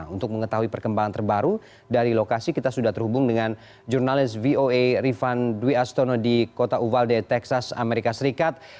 untuk mengetahui perkembangan terbaru dari lokasi kita sudah terhubung dengan jurnalis voa rifan dwi astono di kota uvalde texas amerika serikat